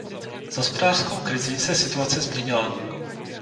S hospodářskou krizí se situace změnila.